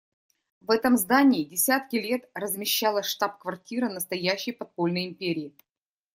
В этом здании десятки лет размещалась штаб-квартира настоящей подпольной империи.